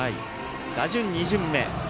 打順２巡目。